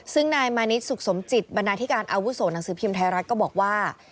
ซึ่งนายมานิดสุขสมจิตบรรณาธิการอาวุโสหนังสือพิมพ์ไทยรัฐก็บอกว่า